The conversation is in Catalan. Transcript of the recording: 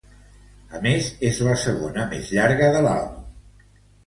A més, és la segona més llarga de l'àlbum.